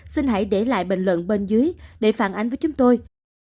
xin hãy để lại bình luận bên dưới để phản ánh với chúng tôi